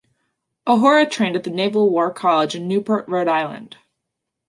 O'Hora trained at the Naval War College in Newport, Rhode Island.